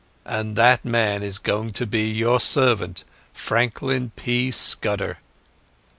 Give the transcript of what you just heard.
And that man is going to be your servant, Franklin P. Scudder."